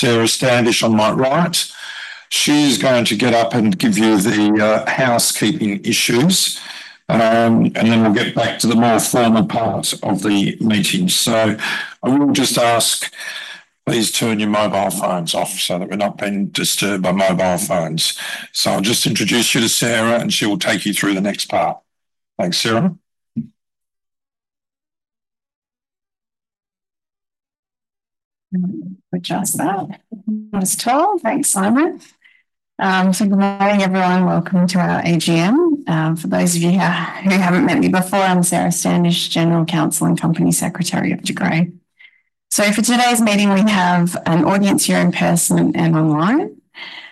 Sarah Standish on my right. She's going to get up and give you the housekeeping issues, and then we'll get back to the more formal part of the meeting. So I will just ask, please turn your mobile phones off so that we're not being disturbed by mobile phones. So I'll just introduce you to Sarah, and she will take you through the next part. Thanks, Sarah. We're just about. Thanks, Simon. Good morning, everyone. Welcome to our AGM. For those of you who haven't met me before, I'm Sarah Standish, General Counsel and Company Secretary of De Grey. For today's meeting, we have an audience here in person and online,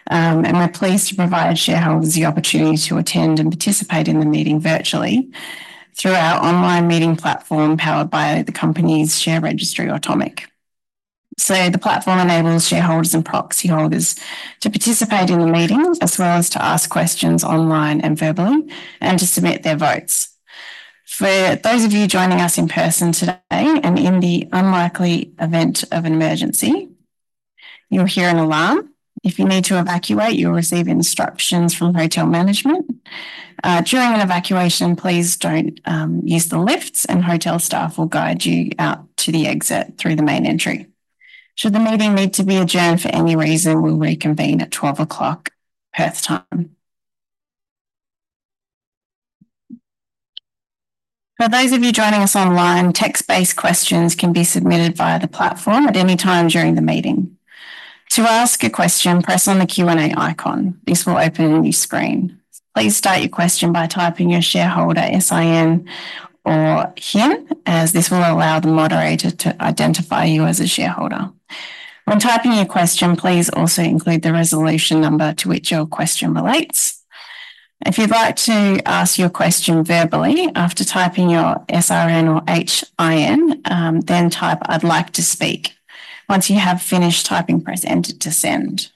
and we're pleased to provide shareholders the opportunity to attend and participate in the meeting virtually through our online meeting platform powered by the company's share registry, Automic. The platform enables shareholders and proxy holders to participate in the meeting as well as to ask questions online and verbally and to submit their votes. For those of you joining us in person today and in the unlikely event of an emergency, you'll hear an alarm. If you need to evacuate, you'll receive instructions from hotel management. During an evacuation, please don't use the lifts, and hotel staff will guide you out to the exit through the main entry. Should the meeting need to be adjourned for any reason, we'll reconvene at 12 o'clock Perth time. For those of you joining us online, text-based questions can be submitted via the platform at any time during the meeting. To ask a question, press on the Q&A icon. This will open a new screen. Please start your question by typing your shareholder SRN or HIN, as this will allow the moderator to identify you as a shareholder. When typing your question, please also include the resolution number to which your question relates. If you'd like to ask your question verbally, after typing your SRN or HIN, then type "I'd like to speak." Once you have finished typing, press Enter to send.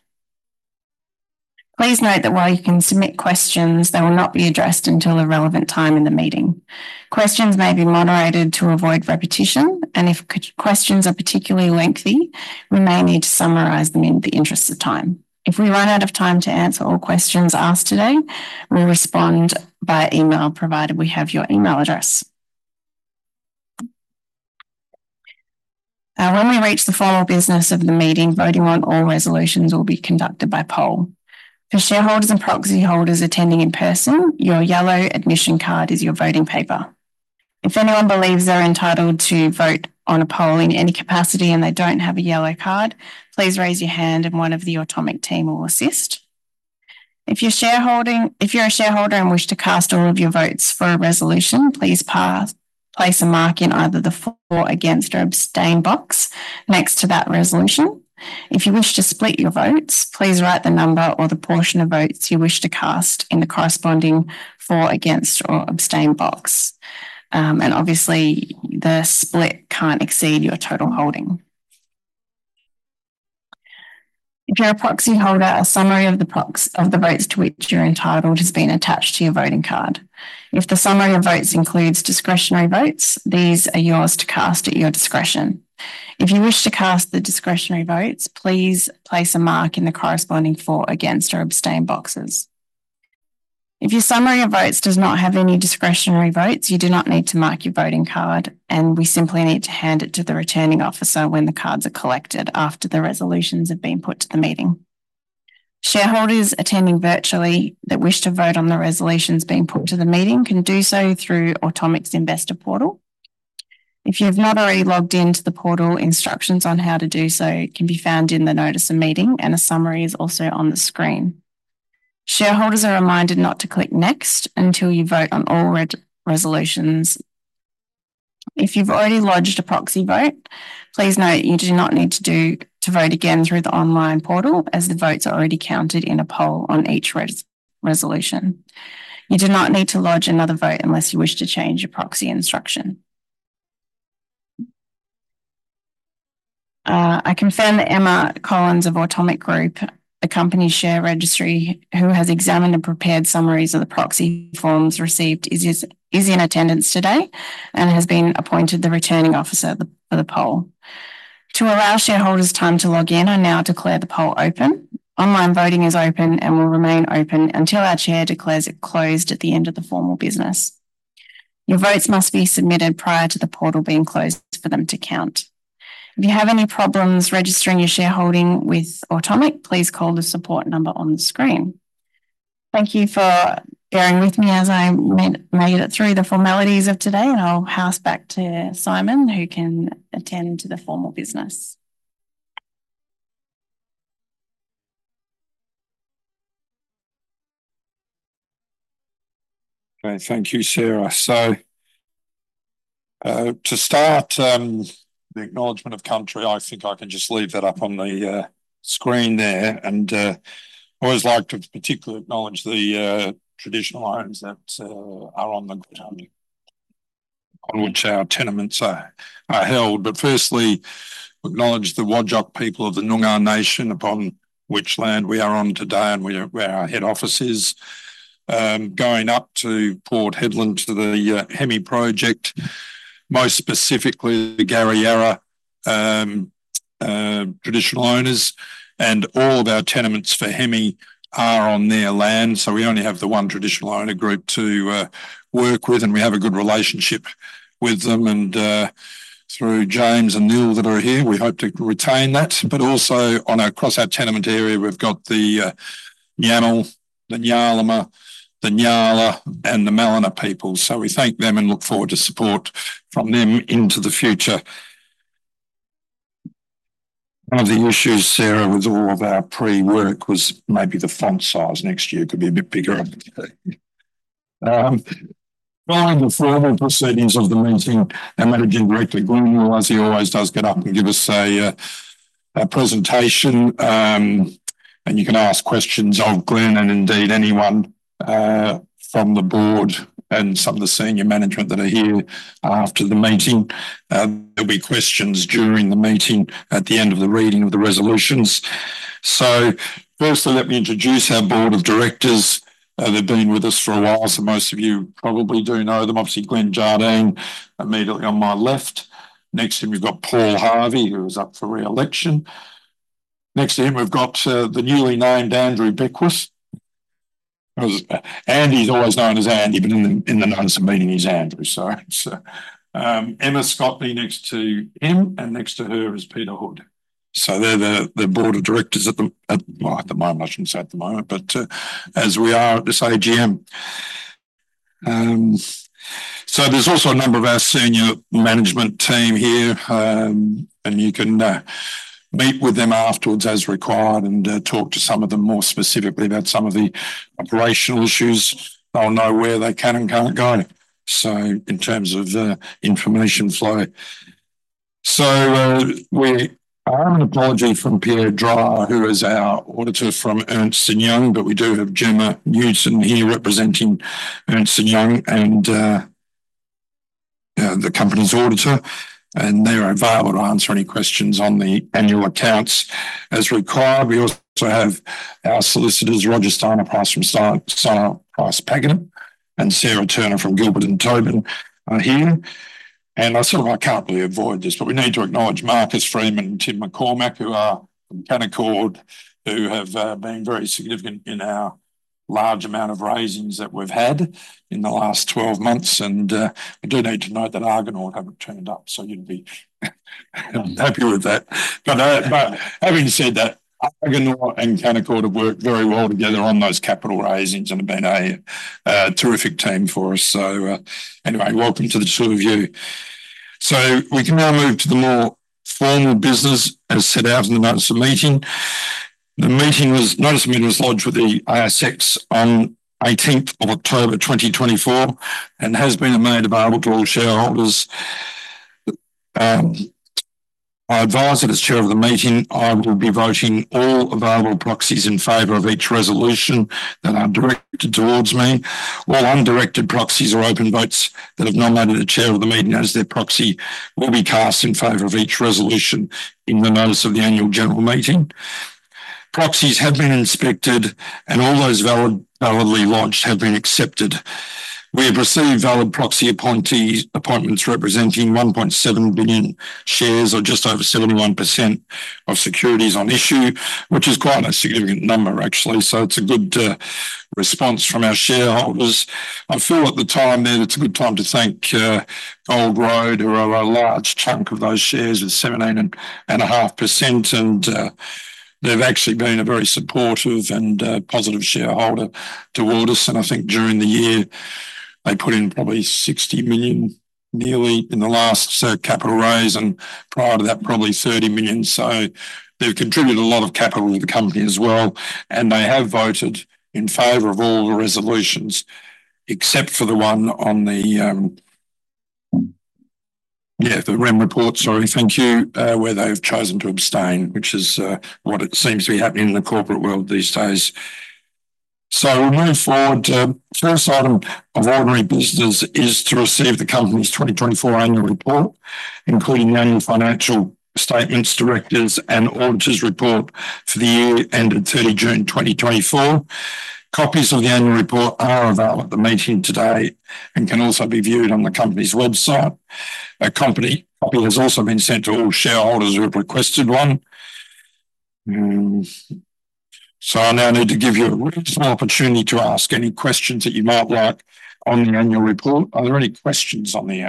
Please note that while you can submit questions, they will not be addressed until a relevant time in the meeting. Questions may be moderated to avoid repetition, and if questions are particularly lengthy, we may need to summarize them in the interest of time. If we run out of time to answer all questions asked today, we'll respond by email provided we have your email address. When we reach the formal business of the meeting, voting on all resolutions will be conducted by poll. For shareholders and proxy holders attending in person, your yellow admission card is your voting paper. If anyone believes they're entitled to vote on a poll in any capacity and they don't have a yellow card, please raise your hand, and one of the Automic team will assist. If you're a shareholder and wish to cast all of your votes for a resolution, please place a mark in either the for, against, or abstain box next to that resolution. If you wish to split your votes, please write the number or the portion of votes you wish to cast in the corresponding for, against, or abstain box. And obviously, the split can't exceed your total holding. If you're a proxy holder, a summary of the votes to which you're entitled has been attached to your voting card. If the summary of votes includes discretionary votes, these are yours to cast at your discretion. If you wish to cast the discretionary votes, please place a mark in the corresponding for, against, or abstain boxes. If your summary of votes does not have any discretionary votes, you do not need to mark your voting card, and we simply need to hand it to the returning officer when the cards are collected after the resolutions have been put to the meeting. Shareholders attending virtually that wish to vote on the resolutions being put to the meeting can do so through Automic's Investor Portal. If you have not already logged into the portal, instructions on how to do so can be found in the Notice of Meeting, and a summary is also on the screen. Shareholders are reminded not to click Next until you vote on all resolutions. If you've already lodged a proxy vote, please note you do not need to vote again through the online portal, as the votes are already counted in a poll on each resolution. You do not need to lodge another vote unless you wish to change your proxy instruction. I confirm that Emma Collins of Automic Group, the company's share registry, who has examined and prepared summaries of the proxy forms received, is in attendance today and has been appointed the returning officer for the poll. To allow shareholders time to log in, I now declare the poll open. Online voting is open and will remain open until our Chair declares it closed at the end of the formal business. Your votes must be submitted prior to the portal being closed for them to count. If you have any problems registering your shareholding with Automic, please call the support number on the screen. Thank you for bearing with me as I made it through the formalities of today, and I'll hand back to Simon, who can attend to the formal business. Okay, thank you, Sarah. So to start the acknowledgment of country, I think I can just leave that up on the screen there. And I always like to particularly acknowledge the traditional lands that are on the ground on which our tenements are held. But firstly, acknowledge the Whadjuk people of the Noongar Nation, upon which land we are on today and where our head office is. Going up to Port Hedland to the Hemi Project, most specifically the Kariyarra traditional owners, and all of our tenements for Hemi are on their land. So we only have the one traditional owner group to work with, and we have a good relationship with them. And through James and Neil that are here, we hope to retain that. But also across our tenement area, we've got the Nyamal, the Ngarluma, the Ngarla, and the Malana people. So we thank them and look forward to support from them into the future. One of the issues, Sarah, with all of our pre-work was maybe the font size next year could be a bit bigger. Following the formal proceedings of the meeting, as Managing Director, Glenn R. Jardine always does get up and give us a presentation, and you can ask questions of Glenn and indeed anyone from the board and some of the senior management that are here after the meeting. There'll be questions during the meeting at the end of the reading of the resolutions. So firstly, let me introduce our board of directors. They've been with us for a while, so most of you probably do know them. Obviously, Glenn Jardine, immediately on my left. Next to him, we've got Paul Harvey, who is up for re-election. Next to him, we've got the newly named Andrew Beckwith, and he's always known as Andy, but in the name of the meeting, he's Andrew, so Emma Scotney next to him, and next to her is Peter Hood, so they're the board of directors at the moment. I shouldn't say at the moment, but as we are at this AGM, so there's also a number of our senior management team here, and you can meet with them afterwards as required and talk to some of them more specifically about some of the operational issues. They'll know where they can and can't go, so in terms of information flow. I have an apology from Pierre Dreyer, who is our auditor from Ernst & Young, but we do have Gemma Newton here representing Ernst & Young and the company's auditor, and they are available to answer any questions on the annual accounts as required. We also have our solicitors, Roger Steinepreis from Steinepreis Paganin, and Sarah Turner from Gilbert + Tobin here. And I sort of, I can't really avoid this, but we need to acknowledge Marcus Freeman and Tim McCormack, who are from Canaccord, who have been very significant in our large amount of raisings that we've had in the last 12 months. And I do need to note that Argonaut haven't turned up, so you'd be happy with that. But having said that, Argonaut and Canaccord have worked very well together on those capital raisings and have been a terrific team for us. So anyway, welcome to the two of you. So we can now move to the more formal business as set out in the notice of meeting. The notice of meeting was lodged with the ASX on 18th of October 2024 and has been made available to all shareholders. I advise that as chair of the meeting, I will be voting all available proxies in favor of each resolution that are directed towards me. All undirected proxies are open votes that have nominated the chair of the meeting as their proxy will be cast in favor of each resolution in the notice of the annual general meeting. Proxies have been inspected, and all those validly lodged have been accepted. We have received valid proxy appointees' appointments representing 1.7 billion shares, or just over 71% of securities on issue, which is quite a significant number, actually. It's a good response from our shareholders. I feel at the time that it's a good time to thank Gold Road, who have a large chunk of those shares with 17.5%, and they've actually been a very supportive and positive shareholder toward us. I think during the year, they put in probably nearly 60 million in the last capital raise, and prior to that, probably 30 million. They've contributed a lot of capital to the company as well, and they have voted in favor of all the resolutions except for the one on the, yeah, the Rem Report, sorry, thank you, where they have chosen to abstain, which is what it seems to be happening in the corporate world these days. We'll move forward. First item of ordinary business is to receive the company's 2024 annual report, including the annual financial statements, directors' and auditors' report for the year ended 30th of June 2024. Copies of the annual report are available at the meeting today and can also be viewed on the company's website. A company copy has also been sent to all shareholders who have requested one. So I now need to give you a reasonable opportunity to ask any questions that you might like on the annual report. Are there any questions on the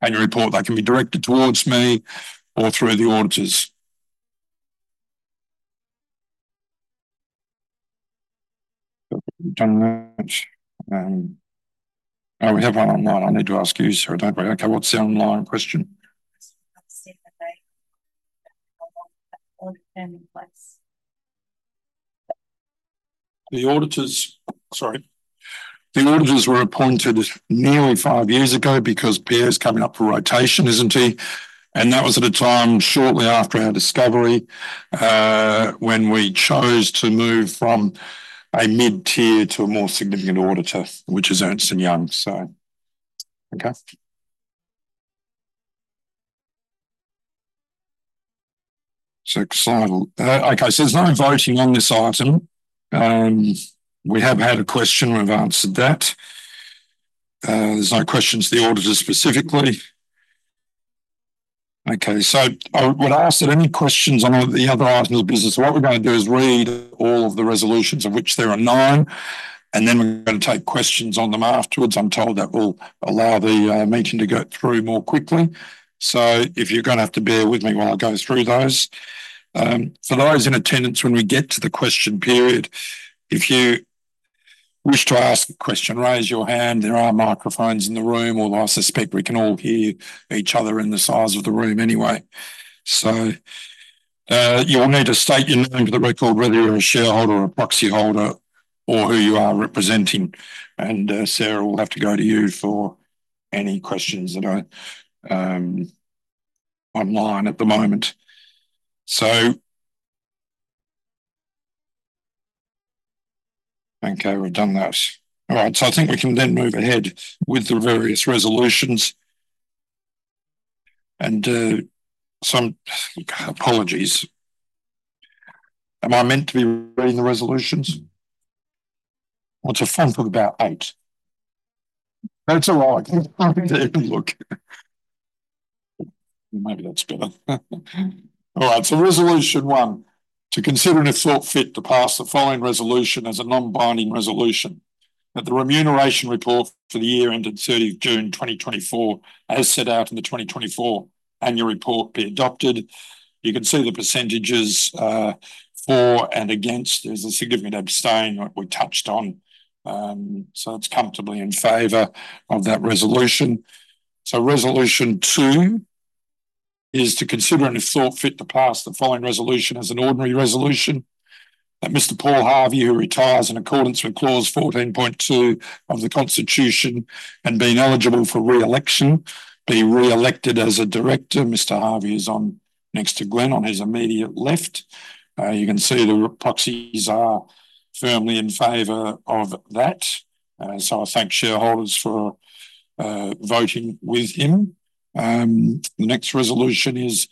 annual report that can be directed towards me or through the auditors? Oh, we have one online. I need to ask you, Sarah, don't we? Okay, what's the online question? The auditors, sorry. The auditors were appointed nearly five years ago because Pierre's coming up for rotation, isn't he? And that was at a time shortly after our discovery when we chose to move from a mid-tier to a more significant auditor, which is Ernst & Young, so. Okay. Okay, so there's no voting on this item. We have had a question. We've answered that. There's no questions to the auditors specifically. Okay, so I would ask that any questions on the other items of business. What we're going to do is read all of the resolutions, of which there are nine, and then we're going to take questions on them afterwards. I'm told that will allow the meeting to go through more quickly. So if you're going to have to bear with me while I go through those. For those in attendance, when we get to the question period, if you wish to ask a question, raise your hand. There are microphones in the room, although I suspect we can all hear each other in the size of the room anyway. So you'll need to state your name for the record, whether you're a shareholder or a proxy holder or who you are representing. And Sarah will have to go to you for any questions that are online at the moment. So. Okay, we've done that. All right, so I think we can then move ahead with the various resolutions. And some apologies. Am I meant to be reading the resolutions? Well, it's a font of about eight. That's all right. Maybe that's better. All right, so resolution one. To consider and if thought fit to pass the following resolution as a non-binding resolution that the remuneration report for the year ended 30th of June 2024 as set out in the 2024 annual report be adopted. You can see the percentages for and against. There's a significant abstain that we touched on. So that's comfortably in favor of that resolution. So resolution two is to consider and if thought fit to pass the following resolution as an ordinary resolution that Mr. Paul Harvey, who retires in accordance with clause 14.2 of the Constitution and being eligible for re-election, be re-elected as a director. Mr. Harvey is next to Glenn on his immediate left. You can see the proxies are firmly in favor of that. So I thank shareholders for voting with him. The next resolution is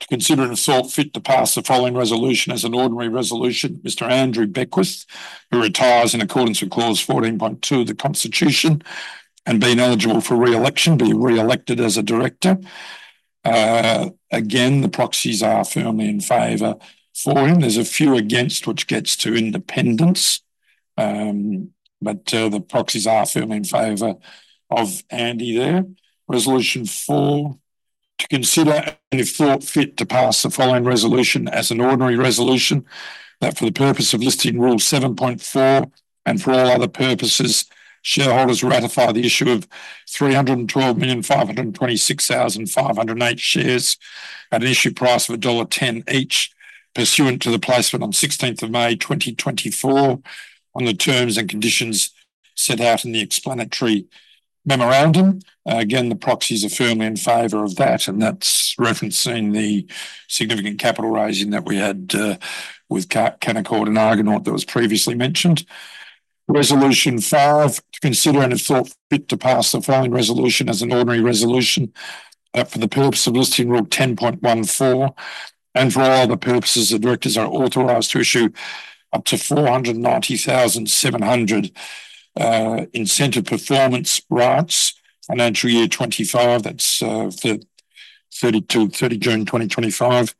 to consider and if thought fit to pass the following resolution as an ordinary resolution. Mr. Andrew Beckwith, who retires in accordance with clause 14.2 of the Constitution and being eligible for re-election, be re-elected as a director. Again, the proxies are firmly in favor for him. There's a few against, which gets to independence. But the proxies are firmly in favor of Andy there. Resolution four, to consider and if thought fit to pass the following resolution as an ordinary resolution that for the purpose of Listing Rule 7.4 and for all other purposes, shareholders ratify the issue of 312,526,508 shares at an issue price of dollar 1.10 each pursuant to the placement on 16 May 2024 on the terms and conditions set out in the Explanatory Memorandum. Again, the proxies are firmly in favor of that, and that's referencing the significant capital raising that we had with Canaccord and Argonaut that was previously mentioned. Resolution five, to consider and if thought fit to pass the following resolution as an ordinary resolution that for the purpose of Listing Rule 10.14 and for all other purposes, the directors are authorised to issue up to 490,700 incentive performance rights financial year 25. That's 30 June 2025.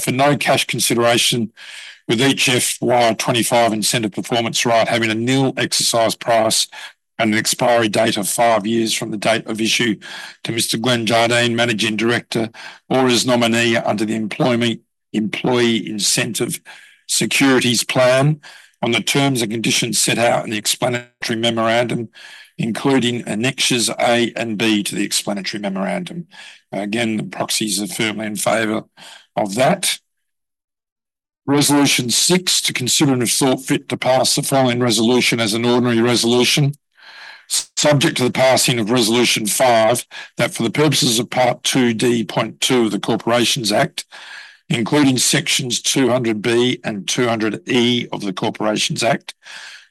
For no cash consideration with each FY 25 incentive performance right having a nil exercise price and an expiry date of five years from the date of issue to Mr. Glenn Jardine, Managing Director or his nominee under the Employee Incentive Securities Plan on the terms and conditions set out in the Explanatory Memorandum, including annexes A and B to the Explanatory Memorandum. Again, the proxies are firmly in favor of that. Resolution six, to consider and if thought fit to pass the following resolution as an ordinary resolution subject to the passing of resolution five that for the purposes of Part 2D.2 of the Corporations Act, including sections 200B and 200E of the Corporations Act,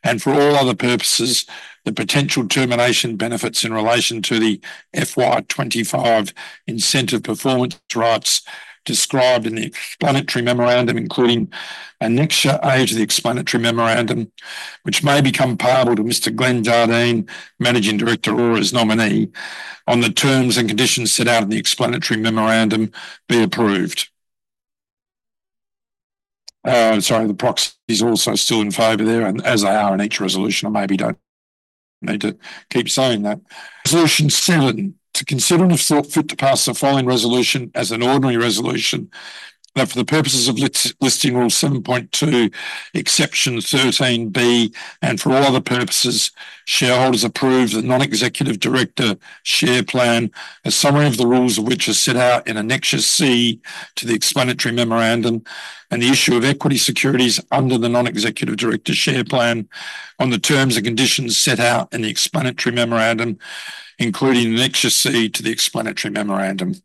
and for all other purposes, the potential termination benefits in relation to the FY 25 incentive performance rights described in the Explanatory Memorandum, including Annex A to the Explanatory Memorandum, which may become payable to Mr. Glenn Jardine, Managing Director or his nominee on the terms and conditions set out in the Explanatory Memorandum be approved. Sorry, the proxies also still in favor there, as they are in each resolution. I maybe don't need to keep saying that. Resolution seven, to consider and if thought fit to pass the following resolution as an ordinary resolution that for the purposes of Listing Rule 7.2, Exception 13(b), and for all other purposes, shareholders approve the Non-Executive Director Share Plan, a summary of the rules of which are set out in Annex C to the Explanatory Memorandum, and the issue of equity securities under the Non-Executive Director Share Plan on the terms and conditions set out in the Explanatory Memorandum, including Annex C to the Explanatory Memorandum.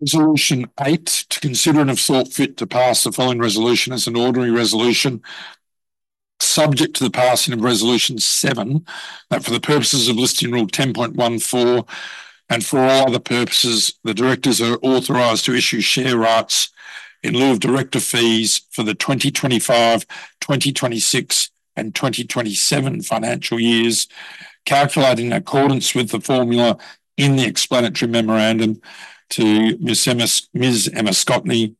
Resolution eight, to consider and if thought fit to pass the following resolution as an ordinary resolution subject to the passing of resolution seven that for the purposes of Listing Rule 10.14 and for all other purposes, the directors are authorised to issue share rights in lieu of director fees for the 2025, 2026, and 2027 financial years, calculating in accordance with the formula in the Explanatory Memorandum to Ms. Emma Scotney,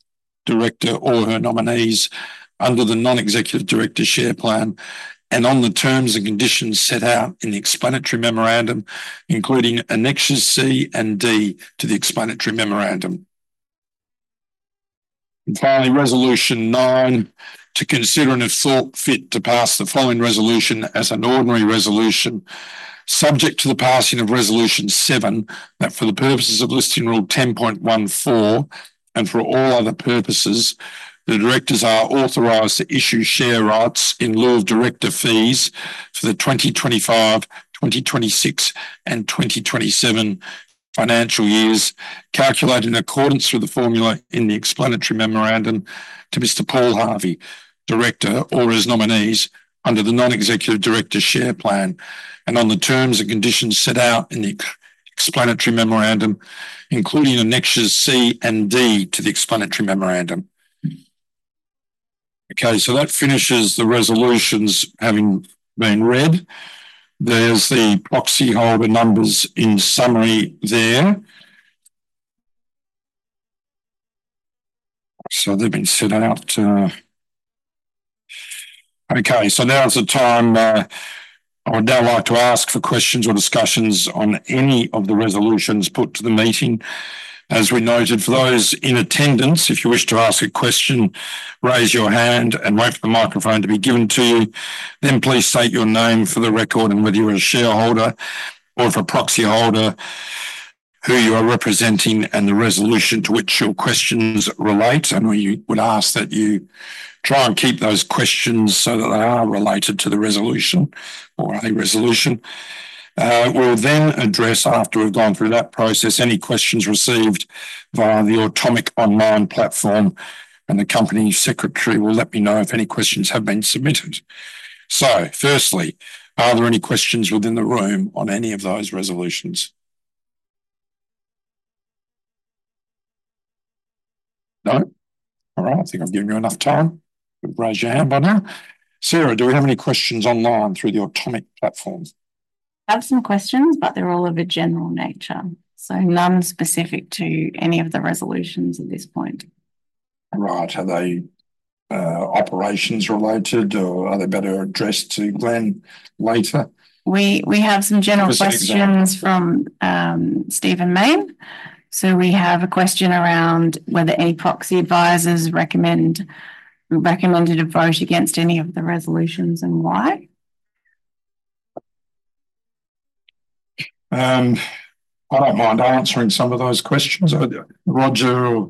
director or her nominees under the Non-Executive Director Share Plan and on the terms and conditions set out in the Explanatory Memorandum, including annexes C and D to the Explanatory Memorandum. Finally, resolution nine, to consider and if thought fit to pass the following resolution as an ordinary resolution subject to the passing of resolution seven that for the purposes of Listing Rule 10.14 and for all other purposes, the directors are authorized to issue share rights in lieu of director fees for the 2025, 2026, and 2027 financial years, calculating in accordance with the formula in the Explanatory Memorandum to Mr. Paul Harvey, Director or his nominees under the Non-Executive Director Share Plan and on the terms and conditions set out in the Explanatory Memorandum, including annexes C and D to the Explanatory Memorandum. Okay, so that finishes the resolutions having been read. There's the proxy holder numbers in summary there. They've been set out. Okay, so now it's time I would like to ask for questions or discussions on any of the resolutions put to the meeting. As we noted, for those in attendance, if you wish to ask a question, raise your hand and wait for the microphone to be given to you. Then please state your name for the record and whether you're a shareholder or if a proxy holder who you are representing and the resolution to which your questions relate. And we would ask that you try and keep those questions so that they are related to the resolution or a resolution. We'll then address, after we've gone through that process, any questions received via the Automic online platform, and the company secretary will let me know if any questions have been submitted. So firstly, are there any questions within the room on any of those resolutions? No? All right, I think I've given you enough time. Raise your hand by now. Sarah, do we have any questions online through the Automic platform? I have some questions, but they're all of a general nature, so none specific to any of the resolutions at this point. Right, are they operations related, or are they better addressed to Glenn later? We have some general questions from Stephen Mayne. So we have a question around whether any proxy advisors recommended a vote against any of the resolutions and why. I don't mind answering some of those questions. Roger,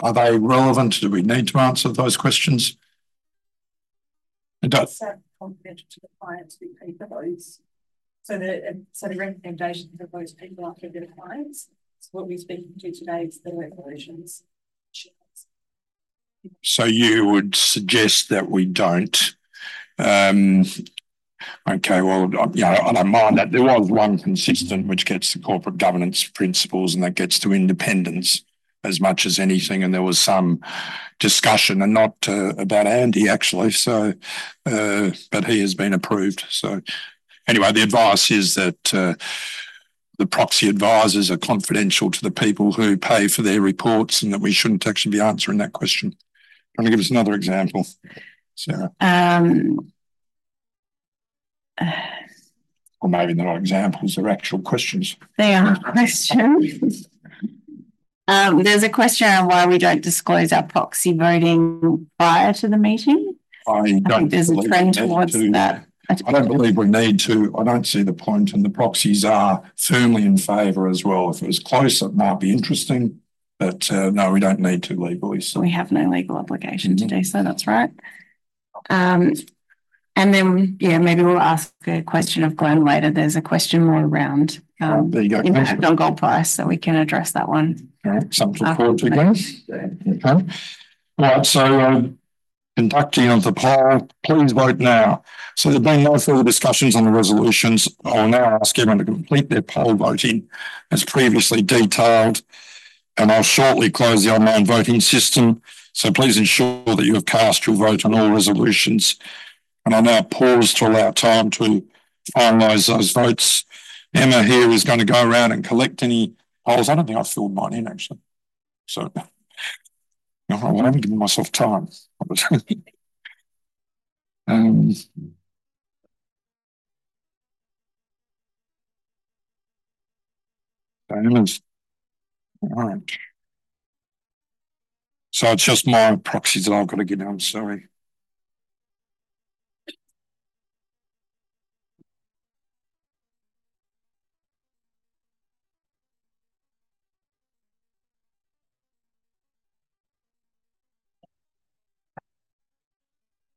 are they relevant? Do we need to answer those questions? They're so complicated to the clients we pay for those. So the recommendations of those people aren't for their clients. So what we're speaking to today is the resolutions. So you would suggest that we don't. Okay, well, I don't mind that. There was one consistent, which gets to corporate governance principles and that gets to independence as much as anything, and there was some discussion, and not about Andy, actually, but he has been approved. So anyway, the advice is that the proxy advisors are confidential to the people who pay for their reports and that we shouldn't actually be answering that question. Can you give us another example, Sarah, or maybe not examples? They're actual questions. They are questions. There's a question on why we don't disclose our proxy voting prior to the meeting. I don't think there's a trend towards that. I don't believe we need to. I don't see the point, and the proxies are firmly in favor as well. If it was closer, it might be interesting, but no, we don't need to legally. We have no legal obligation to do so. That's right. And then, yeah, maybe we'll ask a question of Glenn later. There's a question more around the impact on gold price, so we can address that one. Okay. Some support, please. Okay. All right, so conducting of the poll, please vote now. So there have been no further discussions on the resolutions. I will now ask everyone to complete their poll voting as previously detailed. And I'll shortly close the online voting system. So please ensure that you have cast your vote on all resolutions. And I'll now pause to allow time to finalize those votes. Emma here is going to go around and collect any polls. I don't think I filled mine in, actually. So I'm giving myself time. All right. So it's just my proxies that I've got to give now. I'm sorry.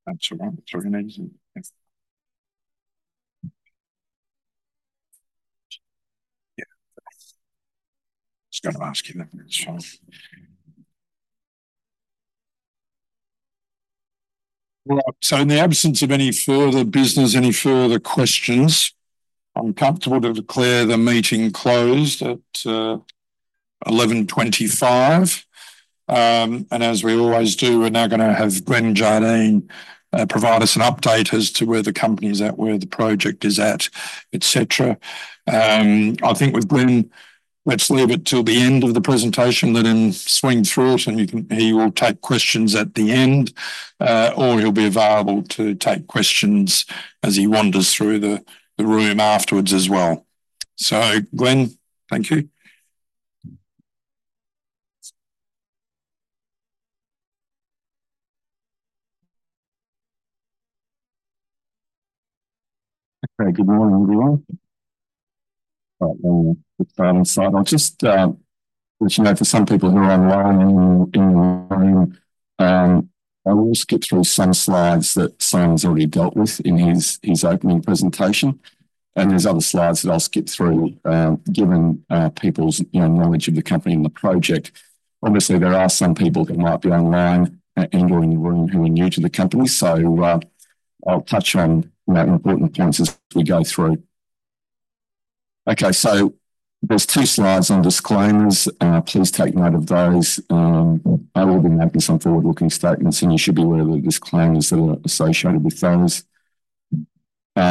That's all right. Sorry, needs. Yeah. I was going to ask you that. All right. So in the absence of any further business, any further questions, I'm comfortable to declare the meeting closed at 11:25 A.M. And as we always do, we're now going to have Glenn Jardine provide us an update as to where the company is at, where the project is at, etc. I think with Glenn, let's leave it till the end of the presentation that he'll swing through it and he will take questions at the end, or he'll be available to take questions as he wanders through the room afterwards as well. So Glenn, thank you. Okay, good morning, everyone. All right, we'll get started. I'll just let you know for some people who are online in the room, I will skip through some slides that Simon's already dealt with in his opening presentation. And there's other slides that I'll skip through given people's knowledge of the company and the project. Obviously, there are some people that might be online and/or in the room who are new to the company. So I'll touch on important points as we go through. Okay, so there's two slides on disclaimers. Please take note of those. I will be making some forward-looking statements, and you should be aware of the disclaimers that are associated with those.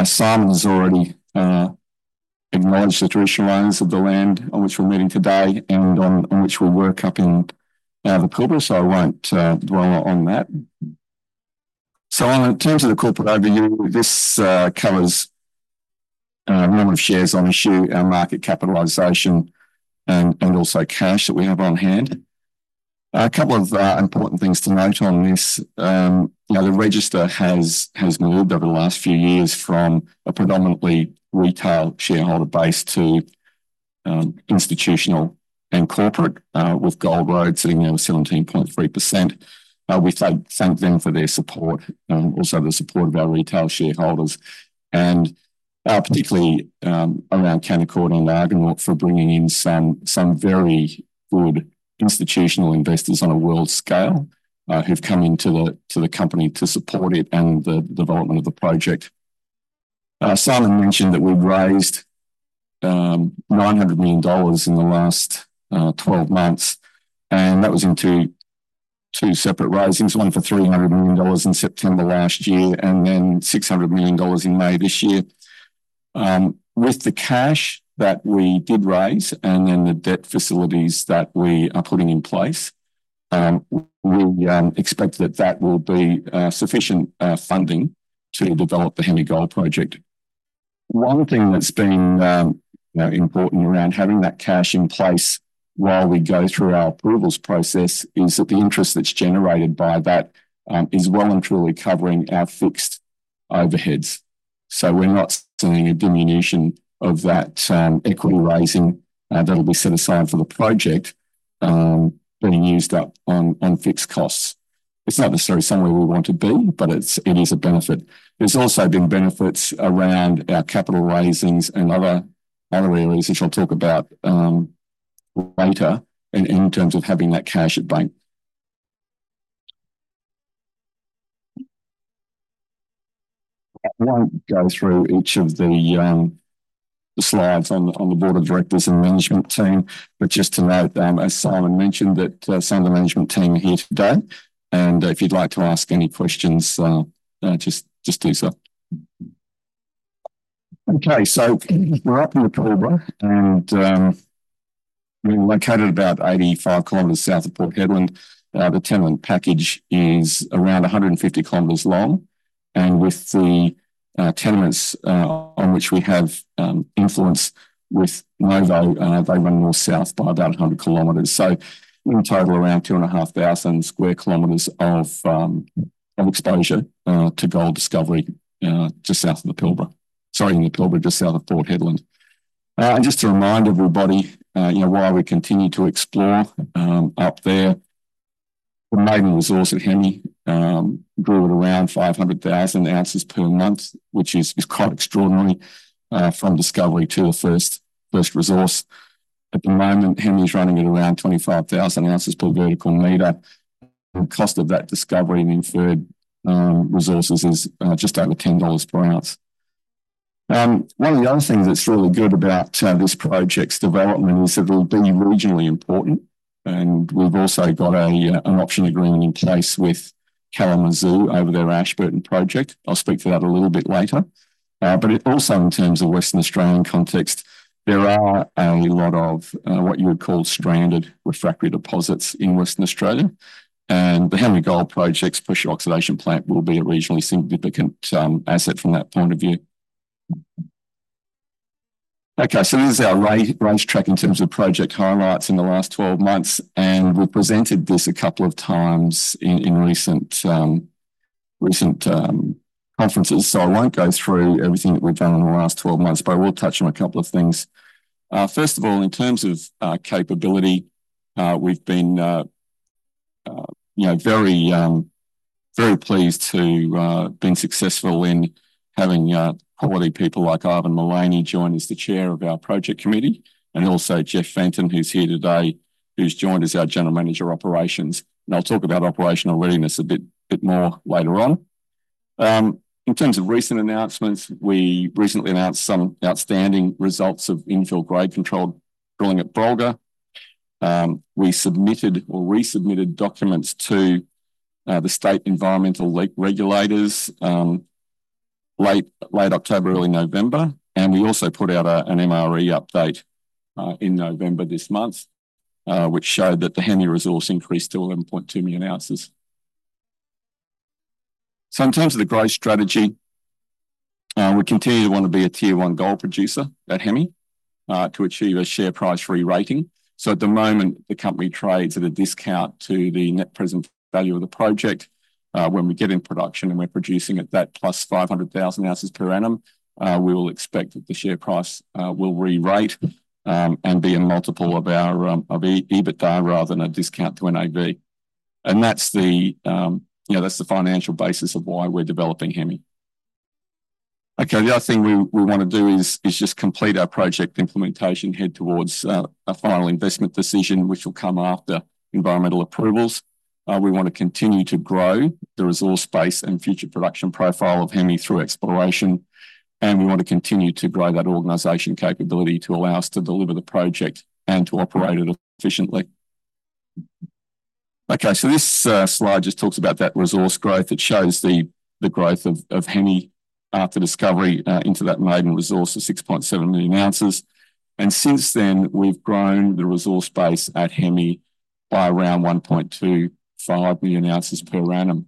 Simon's already acknowledged the traditional owners of the land on which we're meeting today and on which we'll work up in the corporate, so I won't dwell on that. So in terms of the corporate overview, this covers the number of shares on issue, our market capitalization, and also cash that we have on hand. A couple of important things to note on this. The register has moved over the last few years from a predominantly retail shareholder base to institutional and corporate, with Gold Road sitting now at 17.3%. We thank them for their support, also the support of our retail shareholders, and particularly around Canaccord and Argonaut for bringing in some very good institutional investors on a world scale who've come into the company to support it and the development of the project. Simon mentioned that we've raised 900 million dollars in the last 12 months, and that was into two separate raisings, one for 300 million dollars in September last year and then 600 million dollars in May this year. With the cash that we did raise and then the debt facilities that we are putting in place, we expect that that will be sufficient funding to develop the Hemi Gold Project. One thing that's been important around having that cash in place while we go through our approvals process is that the interest that's generated by that is well and truly covering our fixed overheads. So we're not seeing a diminution of that equity raising that'll be set aside for the project being used up on fixed costs. It's not necessarily somewhere we want to be, but it is a benefit. There's also been benefits around our capital raisings and other areas which I'll talk about later in terms of having that cash at bank. I won't go through each of the slides on the board of directors and management team, but just to note, as Simon mentioned, that some of the management team are here today, and if you'd like to ask any questions, just do so. Okay, so we're up in the Pilbara, and we're located about 85 km south of Port Hedland. The tenement package is around 150 km long. And with the tenements on which we have influence with Novo, they run north-south by about 100 km. So in total, around 2,500 sq km of exposure to gold discovery just south of the Pilbara sorry, in the Pilbara, just south of Port Hedland. And just to remind everybody why we continue to explore up there, the main resource at Hemi grew at around 500,000 ounces per month, which is quite extraordinary from discovery to the first resource. At the moment, Hemi is running at around 25,000 ounces per vertical meter. The cost of that discovery and inferred resources is just over 10 dollars per ounce. One of the other things that's really good about this project's development is that it'll be regionally important. And we've also got an option agreement in place with Kalamazoo over their Ashburton project. I'll speak to that a little bit later. But also, in terms of Western Australian context, there are a lot of what you would call stranded refractory deposits in Western Australia. And the Hemi Gold Project's pressure oxidation plant will be a regionally significant asset from that point of view. Okay, so this is our range track in terms of project highlights in the last 12 months. And we've presented this a couple of times in recent conferences. So I won't go through everything that we've done in the last 12 months, but we'll touch on a couple of things. First of all, in terms of capability, we've been very pleased to have been successful in having quality people like Ivan Mullany join as the chair of our Project Committee, and also Geoff Fenton, who's here today, who's joined as our general manager of operations. And I'll talk about operational readiness a bit more later on. In terms of recent announcements, we recently announced some outstanding results of infill grade control drilling at Brolga. We submitted or resubmitted documents to the state environmental regulators, late October, early November. And we also put out an MRE update in November this month, which showed that the Hemi resource increased to 11.2 million ounces. So in terms of the growth strategy, we continue to want to be a tier one gold producer at Hemi to achieve a share price re-rating. So at the moment, the company trades at a discount to the net present value of the project. When we get in production and we're producing at that plus 500,000 ounces per annum, we will expect that the share price will re-rate and be a multiple of EBITDA rather than a discount to an NPV. And that's the financial basis of why we're developing Hemi. Okay, the other thing we want to do is just complete our project implementation, head towards a final investment decision, which will come after environmental approvals. We want to continue to grow the resource base and future production profile of Hemi through exploration. And we want to continue to grow that organization capability to allow us to deliver the project and to operate it efficiently. Okay, so this slide just talks about that resource growth. It shows the growth of Hemi after discovery into that maiden resource of 6.7 million ounces. And since then, we've grown the resource base at Hemi by around 1.25 million ounces per annum.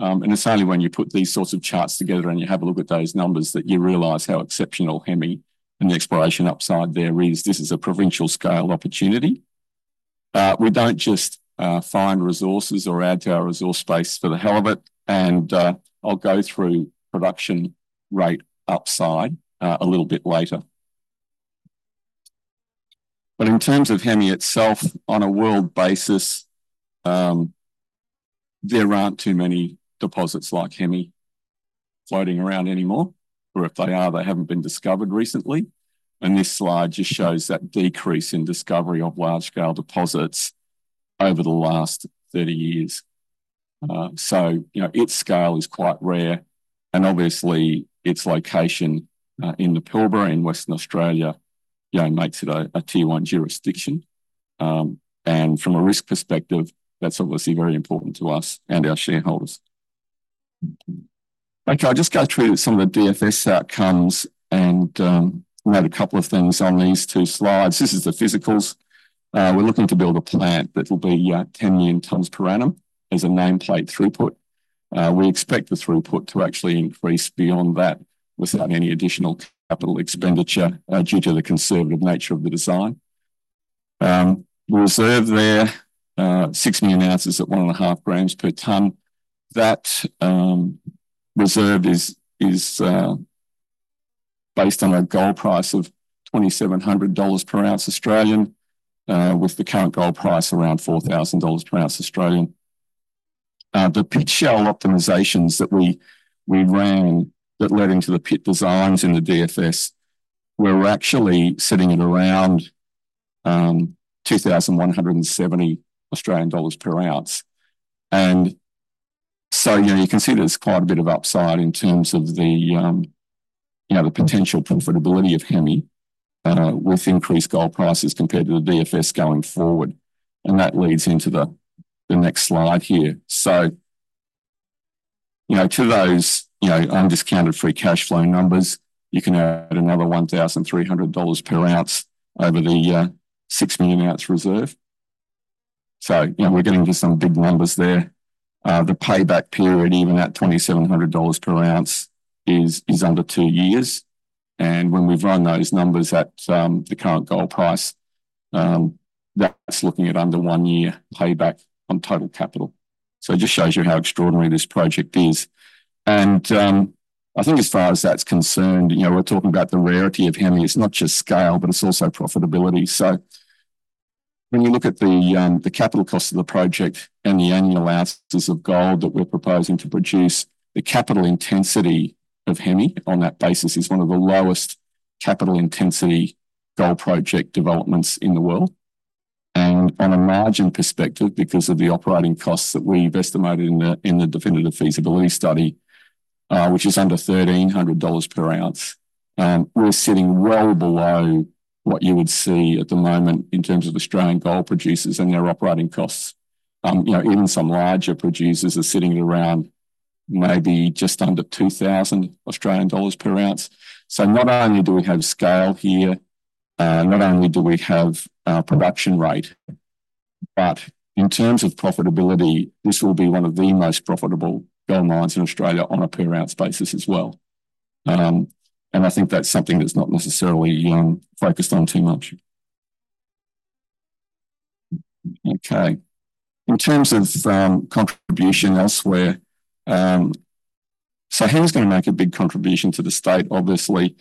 And it's only when you put these sorts of charts together and you have a look at those numbers that you realize how exceptional Hemi and the exploration upside there is. This is a provincial scale opportunity. We don't just find resources or add to our resource base for the hell of it. And I'll go through production rate upside a little bit later. But in terms of Hemi itself, on a world basis, there aren't too many deposits like Hemi floating around anymore. Or if they are, they haven't been discovered recently. And this slide just shows that decrease in discovery of large scale deposits over the last 30 years. So its scale is quite rare. And obviously, its location in the Pilbara in Western Australia makes it a tier one jurisdiction. And from a risk perspective, that's obviously very important to us and our shareholders. Okay, I'll just go through some of the DFS outcomes and note a couple of things on these two slides. This is the physicals. We're looking to build a plant that will be 10 million tonnes per annum as a nameplate throughput. We expect the throughput to actually increase beyond that without any additional capital expenditure due to the conservative nature of the design. The reserve there, 6 million ounces at 1.5 grams per tonne. That reserve is based on a gold price of 2,700 dollars per ounce Australian, with the current gold price around 4,000 dollars per ounce Australian. The pit shell optimizations that we ran that led into the pit designs in the DFS were actually sitting at around 2,170 Australian dollars per ounce. And so you can see there's quite a bit of upside in terms of the potential profitability of Hemi with increased gold prices compared to the DFS going forward. And that leads into the next slide here. So to those undiscounted free cash flow numbers, you can add another 1,300 dollars per ounce over the 6 million ounce reserve. So we're getting to some big numbers there. The payback period, even at 2,700 dollars per ounce, is under two years. And when we've run those numbers at the current gold price, that's looking at under one year payback on total capital. So it just shows you how extraordinary this project is. And I think as far as that's concerned, we're talking about the rarity of Hemi. It's not just scale, but it's also profitability. So when you look at the capital cost of the project and the annual ounces of gold that we're proposing to produce, the capital intensity of Hemi on that basis is one of the lowest capital intensity gold project developments in the world. And on a margin perspective, because of the operating costs that we've estimated in the Definitive Feasibility Study, which is under 1,300 dollars per ounce, we're sitting well below what you would see at the moment in terms of Australian gold producers and their operating costs. Even some larger producers are sitting at around maybe just under 2,000 Australian dollars per ounce. So not only do we have scale here, not only do we have production rate, but in terms of profitability, this will be one of the most profitable gold mines in Australia on a per ounce basis as well. And I think that's something that's not necessarily focused on too much. Okay. In terms of contribution elsewhere, so Hemi's going to make a big contribution to the state, obviously.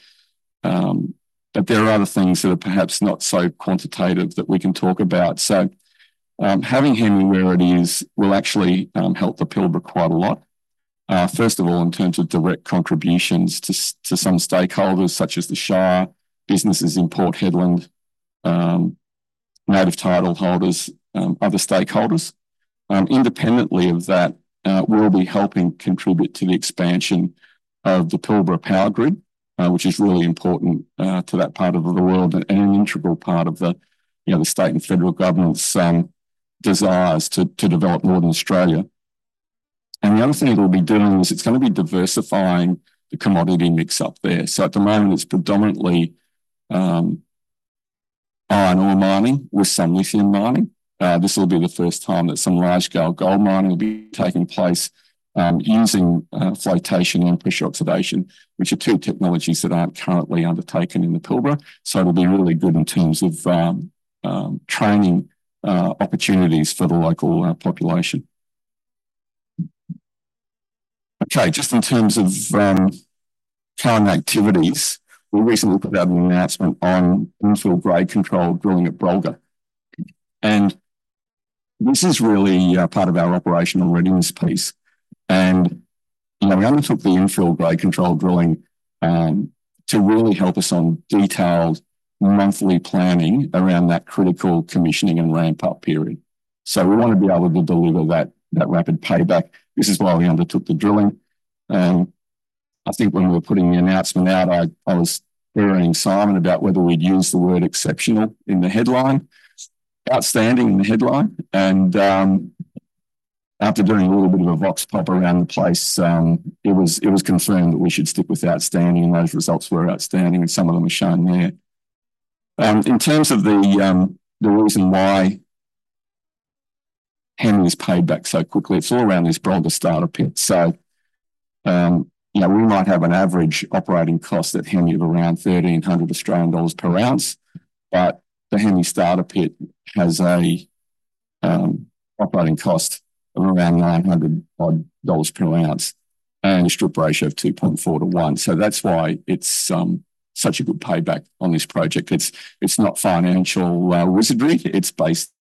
But there are other things that are perhaps not so quantitative that we can talk about. So having Hemi where it is will actually help the Pilbara quite a lot. First of all, in terms of direct contributions to some stakeholders such as the Shire businesses in Port Hedland, native title holders, other stakeholders. Independently of that, we'll be helping contribute to the expansion of the Pilbara power grid, which is really important to that part of the world and an integral part of the state and federal government's desires to develop Northern Australia. And the other thing it'll be doing is it's going to be diversifying the commodity mix up there. So at the moment, it's predominantly iron ore mining with some lithium mining. This will be the first time that some large scale gold mining will be taking place using flotation and pressure oxidation, which are two technologies that aren't currently undertaken in the Pilbara. So it'll be really good in terms of training opportunities for the local population. Okay, just in terms of current activities, we recently put out an announcement on infill grade control drilling at Brolga. And this is really part of our operational readiness piece. We undertook the infill grade control drilling to really help us on detailed monthly planning around that critical commissioning and ramp-up period. We want to be able to deliver that rapid payback. This is why we undertook the drilling. I think when we were putting the announcement out, I was worrying Simon about whether we'd use the word exceptional in the headline, outstanding in the headline. After doing a little bit of a vox pop around the place, it was confirmed that we should stick with outstanding and those results were outstanding and some of them were shown there. In terms of the reason why Hemi is paid back so quickly, it's all around this Brolga starter pit. We might have an average operating cost at Hemi of around 1,300 Australian dollars per ounce, but the Hemi starter pit has an operating cost of around 900 dollars per ounce and a strip ratio of 2.4 to 1. So that's why it's such a good payback on this project. It's not financial wizardry. It's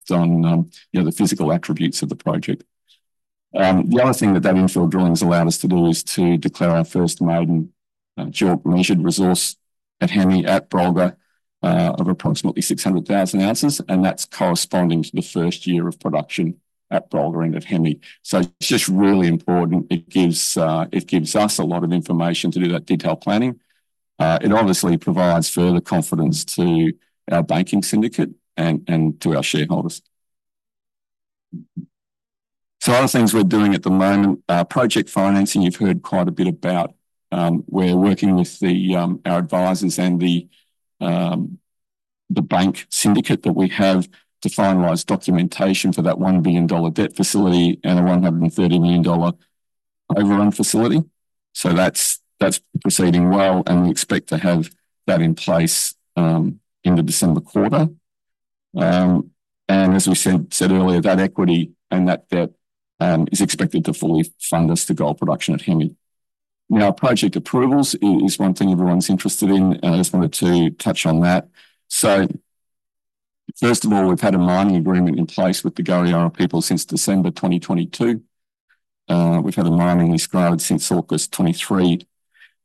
based on the physical attributes of the project. The other thing that that infill drilling has allowed us to do is to declare our first maiden Measured Resource at Hemi at Brolga of approximately 600,000 ounces. And that's corresponding to the first year of production at Brolga and at Hemi. So it's just really important. It gives us a lot of information to do that detailed planning. It obviously provides further confidence to our banking syndicate and to our shareholders. So other things we're doing at the moment, project financing, you've heard quite a bit about. We're working with our advisors and the bank syndicate that we have to finalize documentation for that one billion dollar debt facility and the 130 million dollar overrun facility. So that's proceeding well. And we expect to have that in place in the December quarter. And as we said earlier, that equity and that debt is expected to fully fund us to gold production at Hemi. Now, project approvals is one thing everyone's interested in. I just wanted to touch on that. So first of all, we've had a mining agreement in place with the Kariyarra people since December 2022. We've had a mining lease since August 2023.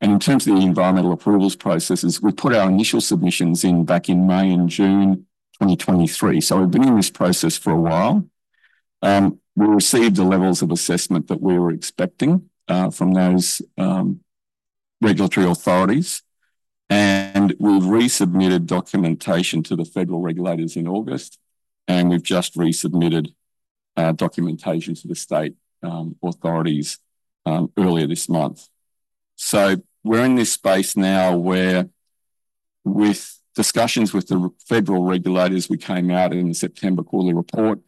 And in terms of the environmental approvals processes, we put our initial submissions in back in May and June 2023. We've been in this process for a while. We received the levels of assessment that we were expecting from those regulatory authorities. We've resubmitted documentation to the federal regulators in August. We've just resubmitted documentation to the state authorities earlier this month. We're in this space now where with discussions with the federal regulators, we came out in the September quarterly report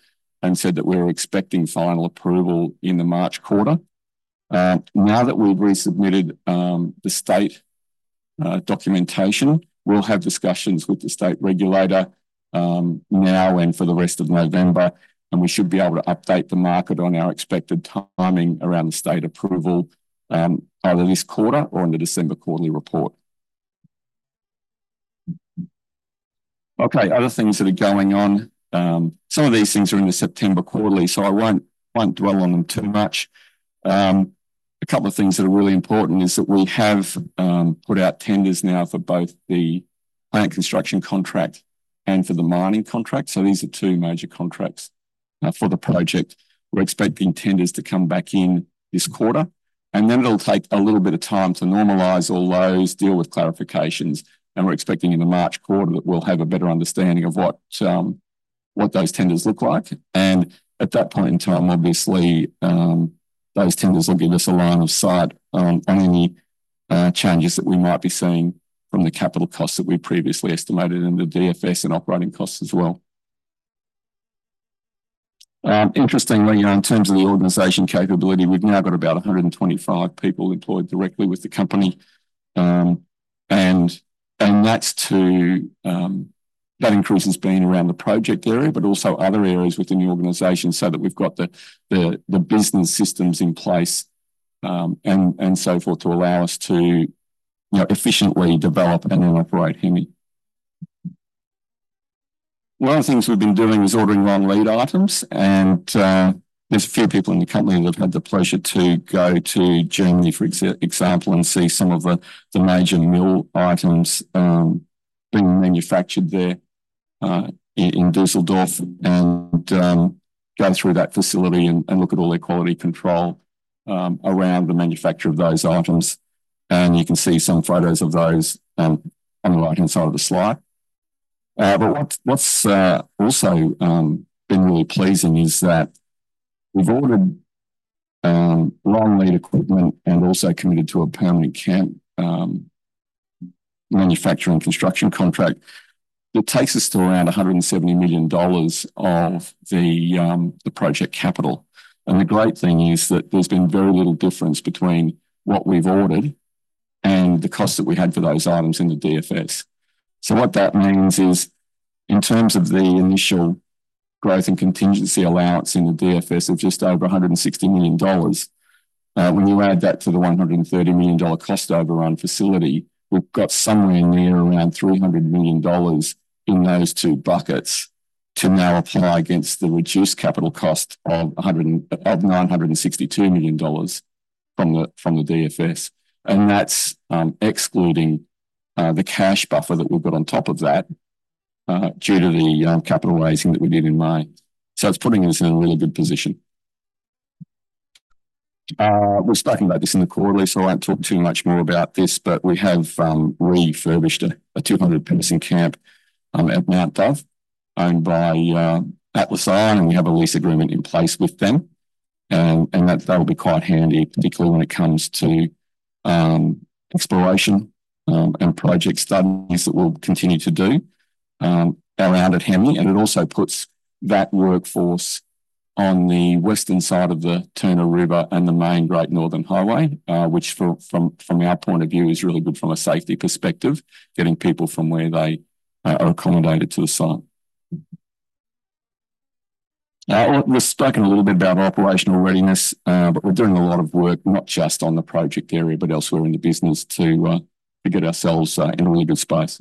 and said that we were expecting final approval in the March quarter. Now that we've resubmitted the state documentation, we'll have discussions with the state regulator now and for the rest of November. We should be able to update the market on our expected timing around the state approval either this quarter or in the December quarterly report. Okay, other things that are going on. Some of these things are in the September quarterly, so I won't dwell on them too much. A couple of things that are really important is that we have put out tenders now for both the plant construction contract and for the mining contract. So these are two major contracts for the project. We're expecting tenders to come back in this quarter. And then it'll take a little bit of time to normalize all those, deal with clarifications. And we're expecting in the March quarter that we'll have a better understanding of what those tenders look like. And at that point in time, obviously, those tenders will give us a line of sight on any changes that we might be seeing from the capital costs that we previously estimated and the DFS and operating costs as well. Interestingly, in terms of the organization capability, we've now got about 125 people employed directly with the company. That increase has been around the project area, but also other areas within the organization so that we've got the business systems in place and so forth to allow us to efficiently develop and then operate Hemi. One of the things we've been doing is ordering long lead items. And there's a few people in the company that have had the pleasure to go to Germany, for example, and see some of the major mill items being manufactured there in Düsseldorf and go through that facility and look at all their quality control around the manufacture of those items. And you can see some photos of those on the right-hand side of the slide. But what's also been really pleasing is that we've ordered long lead equipment and also committed to a permanent camp manufacturing construction contract. It takes us to around 170 million dollars of the project capital. The great thing is that there's been very little difference between what we've ordered and the cost that we had for those items in the DFS. So what that means is in terms of the initial growth and contingency allowance in the DFS of just over 160 million dollars, when you add that to the 130 million dollar cost overrun facility, we've got somewhere near around 300 million dollars in those two buckets to now apply against the reduced capital cost of 962 million dollars from the DFS. And that's excluding the cash buffer that we've got on top of that due to the capital raising that we did in May. So it's putting us in a really good position. We've spoken about this in the quarterly, so I won't talk too much more about this, but we have refurbished a 200-person camp at Mount Dove, owned by Atlas Iron, and we have a lease agreement in place with them. And that will be quite handy, particularly when it comes to exploration and project studies that we'll continue to do around at Hemi. And it also puts that workforce on the western side of the Turner River and the main Great Northern Highway, which from our point of view is really good from a safety perspective, getting people from where they are accommodated to the site. We've spoken a little bit about operational readiness, but we're doing a lot of work not just on the project area, but elsewhere in the business to get ourselves in a really good space.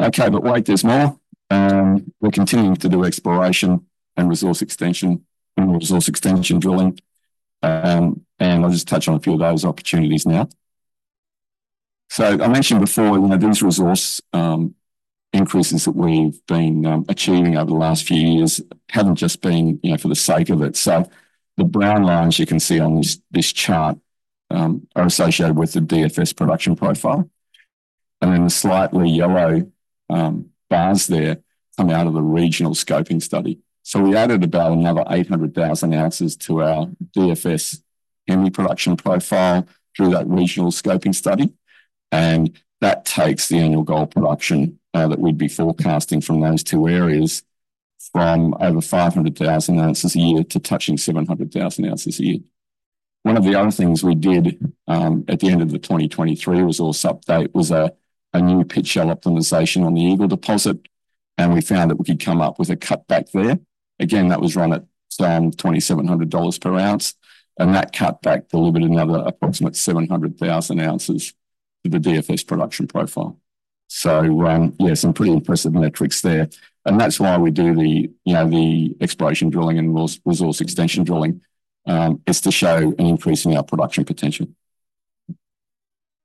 Okay, but wait, there's more. We're continuing to do exploration and resource extension and resource extension drilling, and I'll just touch on a few of those opportunities now. So I mentioned before these resource increases that we've been achieving over the last few years haven't just been for the sake of it, so the brown lines you can see on this chart are associated with the DFS production profile, and then the slightly yellow bars there come out of the Regional Scoping Study. So we added about another 800,000 ounces to our DFS Hemi production profile through that Regional Scoping Study, and that takes the annual gold production that we'd be forecasting from those two areas from over 500,000 ounces a year to touching 700,000 ounces a year. One of the other things we did at the end of the 2023 resource update was a new pit shell optimization on the Eagle Deposit. We found that we could come up with a cutback there. Again, that was run at 2,700 dollars per ounce. That cutback delivered another approximate 700,000 ounces to the DFS production profile. Yeah, some pretty impressive metrics there. That's why we do the exploration drilling and resource extension drilling is to show an increase in our production potential.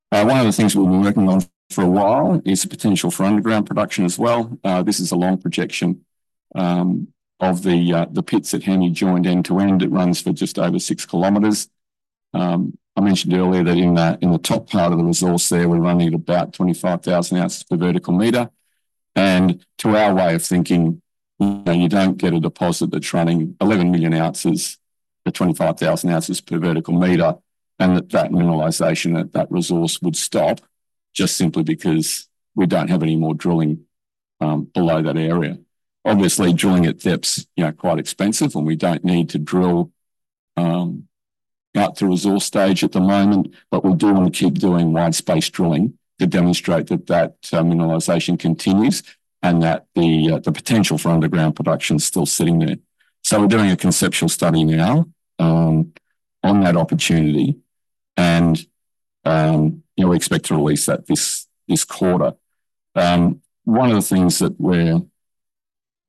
One of the things we've been working on for a while is potential for underground production as well. This is a long projection of the pits at Hemi joined end to end. It runs for just over six kilometers. I mentioned earlier that in the top part of the resource there, we're running at about 25,000 ounces per vertical meter. To our way of thinking, you don't get a deposit that's running 11 million ounces at 25,000 ounces per vertical meter, and that mineralization at that resource would stop just simply because we don't have any more drilling below that area. Obviously, drilling at depths is quite expensive, and we don't need to drill up to resource stage at the moment, but we do want to keep doing wide space drilling to demonstrate that mineralization continues and that the potential for underground production is still sitting there. So we're doing a conceptual study now on that opportunity, and we expect to release that this quarter. One of the things that we're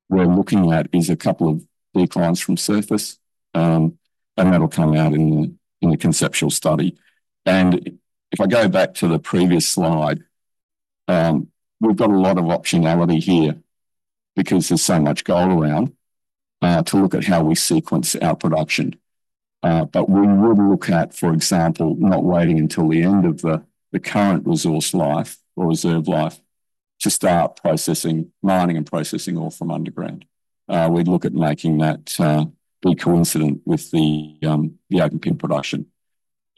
looking at is a couple of declines from surface, and that'll come out in the conceptual study. And if I go back to the previous slide, we've got a lot of optionality here because there's so much gold around to look at how we sequence our production. But we would look at, for example, not waiting until the end of the current resource life or reserve life to start mining and processing ore from underground. We'd look at making that be coincident with the open-pit production.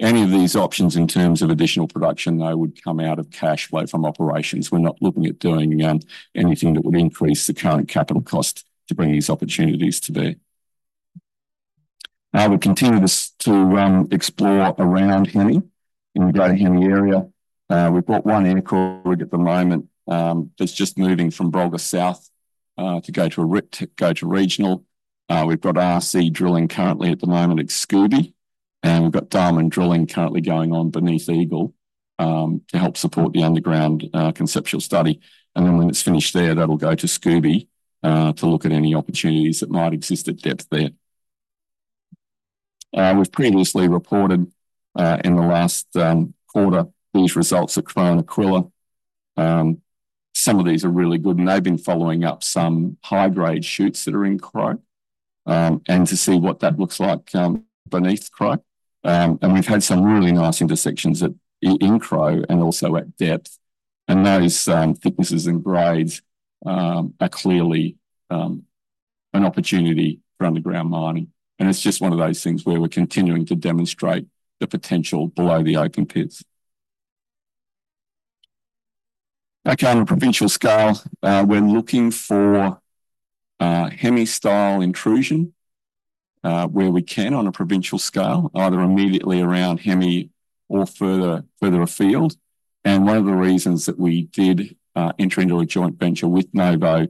Any of these options in terms of additional production, though, would come out of cash flow from operations. We're not looking at doing anything that would increase the current capital cost to bring these opportunities to bear. We continue to explore around Hemi, in the Greater Hemi area. We've got one aircore at the moment that's just moving from Brolga South to go to regional. We've got RC drilling currently at the moment at Scooby. We've got diamond drilling currently going on beneath Eagle to help support the underground conceptual study. Then when it's finished there, that'll go to Scooby to look at any opportunities that might exist at depth there. We've previously reported in the last quarter these results at Crow Aquila. Some of these are really good, and they've been following up some high-grade shoots that are in Crow and to see what that looks like beneath Crow. We've had some really nice intersections in Crow and also at depth. Those thicknesses and grades are clearly an opportunity for underground mining. It's just one of those things where we're continuing to demonstrate the potential below the open pits. Okay, on a provincial scale, we're looking for Hemi-style intrusion where we can, on a provincial scale, either immediately around Hemi or further afield. One of the reasons that we did enter into a joint venture with Novo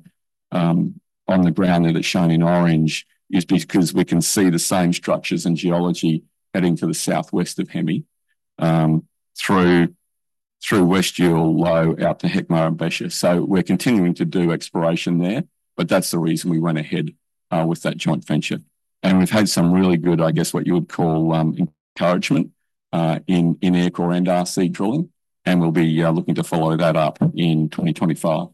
on the ground that is shown in orange is because we can see the same structures and geology heading to the southwest of Hemi through West Yule out to Heckman and Berghaus. We're continuing to do exploration there, but that's the reason we went ahead with that joint venture. We've had some really good, I guess, what you would call encouragement in aircore and RC drilling, and we'll be looking to follow that up in 2025.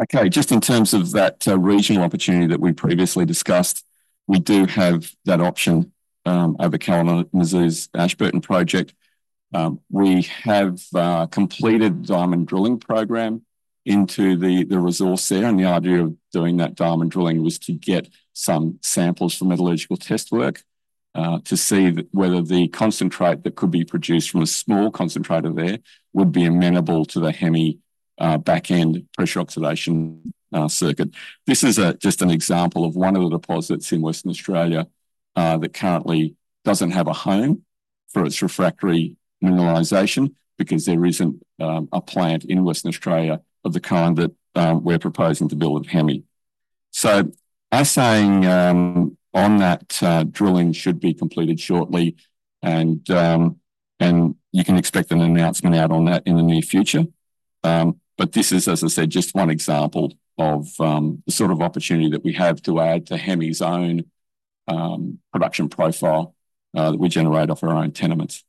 Okay, just in terms of that regional opportunity that we previously discussed, we do have that option over Kalamazoo's Ashburton project. We have completed the diamond drilling program into the resource there. The idea of doing that diamond drilling was to get some samples for metallurgical test work to see whether the concentrate that could be produced from a small concentrator there would be amenable to the Hemi back-end pressure oxidation circuit. This is just an example of one of the deposits in Western Australia that currently doesn't have a home for its refractory mineralization because there isn't a plant in Western Australia of the kind that we're proposing to build at Hemi. I'm saying on that drilling should be completed shortly, and you can expect an announcement out on that in the near future. This is, as I said, just one example of the sort of opportunity that we have to add to Hemi's own production profile that we generate off our own tenements.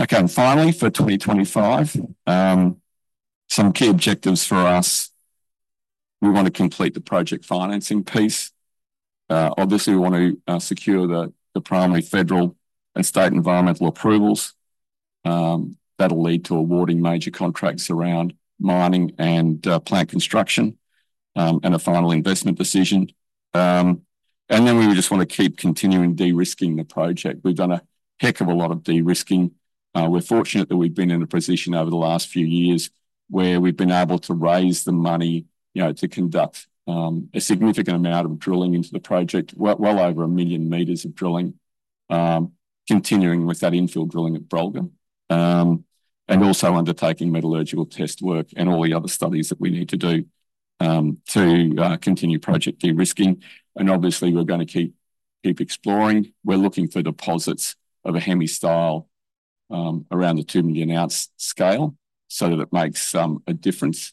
Okay, and finally, for 2025, some key objectives for us. We want to complete the project financing piece. Obviously, we want to secure the primary federal and state environmental approvals. That'll lead to awarding major contracts around mining and plant construction and a final investment decision, and then we just want to keep continuing de-risking the project. We've done a heck of a lot of de-risking. We're fortunate that we've been in a position over the last few years where we've been able to raise the money to conduct a significant amount of drilling into the project, well over a million meters of drilling, continuing with that infill drilling at Brolga and also undertaking metallurgical test work and all the other studies that we need to do to continue project de-risking, and obviously, we're going to keep exploring. We're looking for deposits of a Hemi-style around the two million ounce scale so that it makes a difference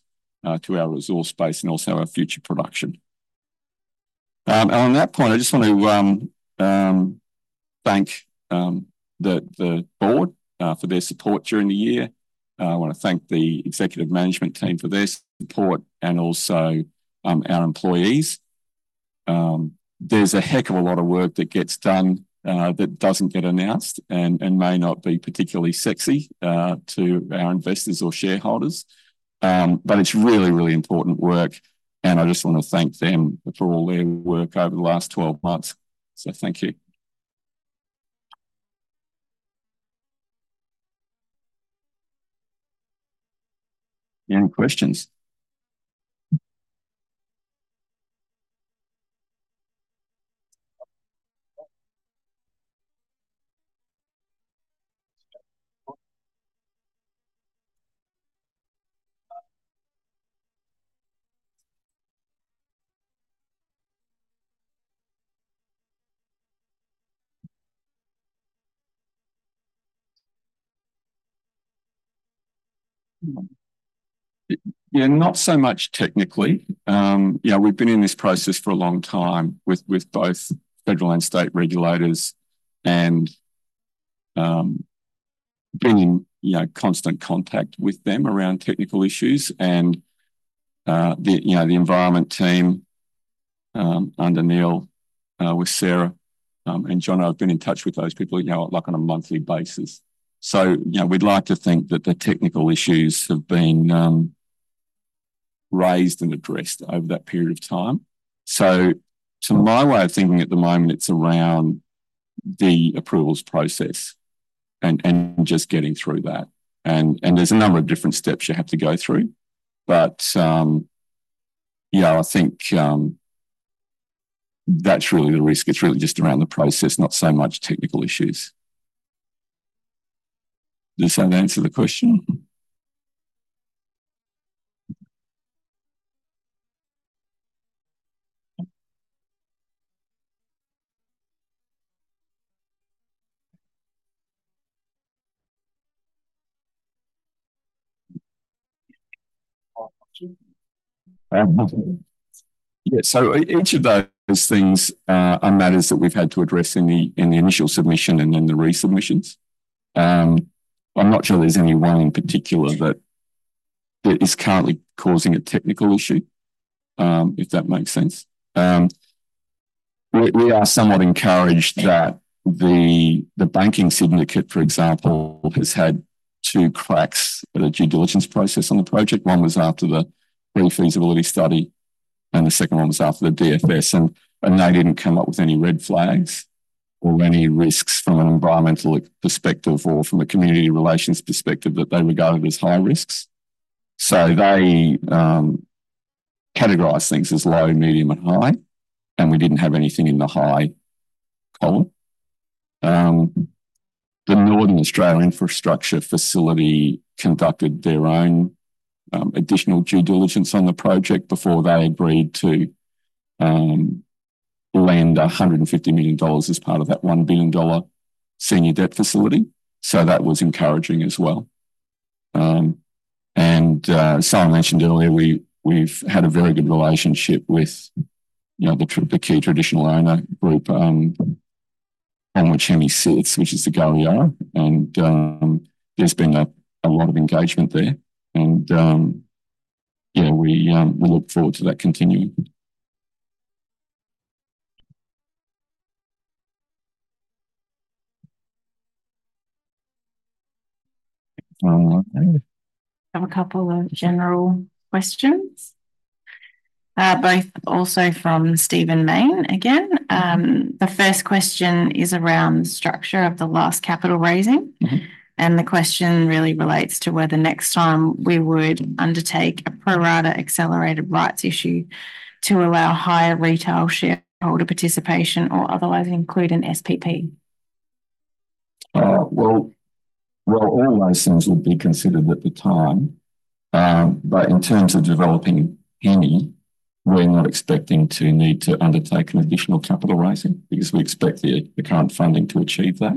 to our resource base and also our future production. And on that point, I just want to thank the board for their support during the year. I want to thank the executive management team for their support and also our employees. There's a heck of a lot of work that gets done that doesn't get announced and may not be particularly sexy to our investors or shareholders, but it's really, really important work. And I just want to thank them for all their work over the last 12 months. So thank you. Any questions? Yeah, not so much technically. We've been in this process for a long time with both federal and state regulators and been in constant contact with them around technical issues. And the environment team under Neil, with Sarah and John, I've been in touch with those people like on a monthly basis. So we'd like to think that the technical issues have been raised and addressed over that period of time. So to my way of thinking at the moment, it's around the approvals process and just getting through that. And there's a number of different steps you have to go through, but I think that's really the risk. It's really just around the process, not so much technical issues. Does that answer the question? Yeah, so each of those things are matters that we've had to address in the initial submission and then the resubmissions. I'm not sure there's any one in particular that is currently causing a technical issue, if that makes sense. We are somewhat encouraged that the banking syndicate, for example, has had two cracks at the due diligence process on the project. One was after the pre-feasibility study, and the second one was after the DFS, and they didn't come up with any red flags or any risks from an environmental perspective or from a community relations perspective that they regarded as high risks, so they categorised things as low, medium, and high, and we didn't have anything in the high column. The Northern Australia Infrastructure Facility conducted their own additional due diligence on the project before they agreed to lend 150 million dollars as part of that 1 billion dollar senior debt facility, so that was encouraging as well, and as I mentioned earlier, we've had a very good relationship with the key traditional owner group on which Hemi sits, which is the Nyamal. There's been a lot of engagement there. Yeah, we look forward to that continuing. From a couple of general questions, both also from Stephen Mayne again. The first question is around the structure of the last capital raising. The question really relates to whether next time we would undertake a pro-rata accelerated rights issue to allow higher retail shareholder participation or otherwise include an SPP. All licenses would be considered at the time. In terms of developing Hemi, we're not expecting to need to undertake an additional capital raising because we expect the current funding to achieve that.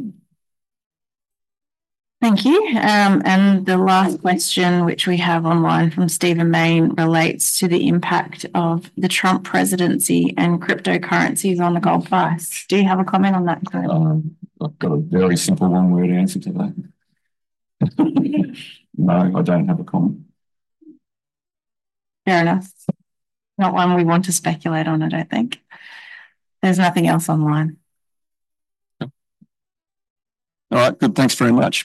Thank you. The last question, which we have online from Stephen Mayne, relates to the impact of the Trump presidency and cryptocurrencies on the gold price. Do you have a comment on that, Glenn? I've got a very simple one-word answer to that. No, I don't have a comment. Fair enough. Not one we want to speculate on, I don't think. There's nothing else online. All right, good. Thanks very much.